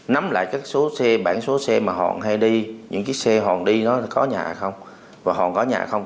nắm lại các số xe bản số xe mà họ hay đi những cái xe hòn đi nó có nhà không và hòn có nhà không